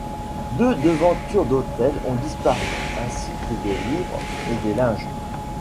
Deux devantures d’autel ont disparu ainsi que des livres et des linges.